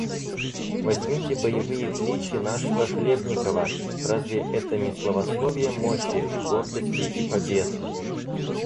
Возьмите боевые кличи нашего Хлебникова, разве это не славословие мощи, гордости и побед?